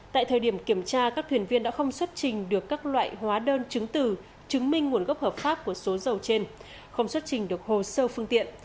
tại thời điểm kiểm tra các thuyền viên đã không xuất trình được các loại hóa đơn chứng từ chứng minh nguồn gốc hợp pháp của số dầu trên không xuất trình được hồ sơ phương tiện